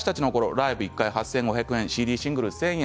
ライブ１回８５００円ＣＤシングル１０００円